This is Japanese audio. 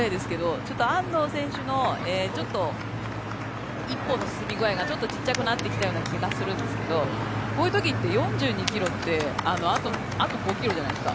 ちょっと安藤選手の一歩の進み具合が小さくなってきた気がするんですけどこういう時って４２キロってあと５キロじゃないですか。